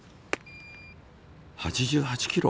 ８８キロ？